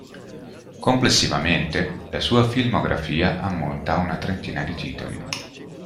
Complessivamente, la sua filmografia ammonta a una trentina di titoli.